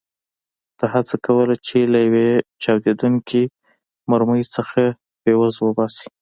ده هڅه کوله چې له یوې چاودېدونکې مرمۍ څخه فیوز وباسي.